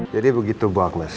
jadi begitu bu agnes